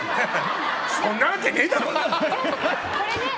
そんなわけねえだろ！